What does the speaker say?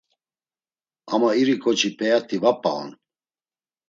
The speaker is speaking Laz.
“Ama iri ǩoçi p̌eyat̆i va p̌a on!”